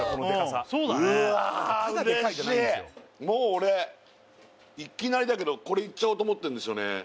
もう俺いきなりだけどこれいっちゃおうと思ってんですよね